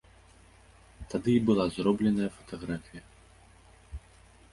Тады і была зробленая фатаграфія.